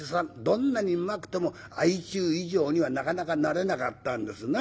どんなにうまくても相中以上にはなかなかなれなかったんですな。